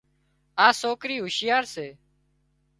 آ سوڪري هوشيار سي